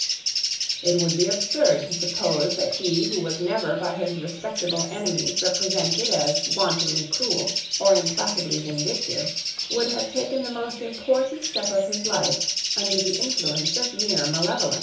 It would be absurd to suppose that he who was never by his respectable enemies represented as wantonly cruel or implacably vindictive, would have taken the most important step of his life under the influence of mere malevolence.